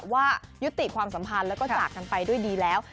ว่ายุติความสัมพันธ์แล้วก็จากกันไปด้วยดีแล้ว